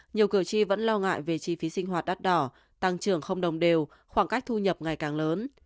nhiều cử tri vẫn lo ngại về chi phí sinh hoạt đắt đỏ tăng trưởng không đồng đều khoảng cách thu nhập ngày càng lớn